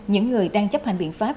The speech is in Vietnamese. những người đang chấp hành biện pháp